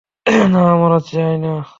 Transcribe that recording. না, আমরা চাইনা।